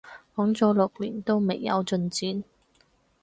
講咗六年都未有進展